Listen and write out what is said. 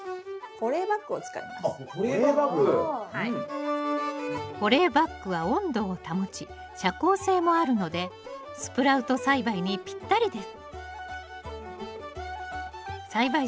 保冷バッグは温度を保ち遮光性もあるのでスプラウト栽培にぴったりです